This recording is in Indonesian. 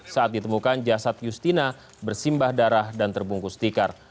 saat ditemukan jasad justina bersimbah darah dan terbungkus tikar